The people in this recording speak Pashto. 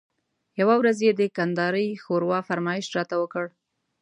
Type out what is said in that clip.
یوه ورځ یې د کندارۍ ښوروا فرمایش راته وکړ.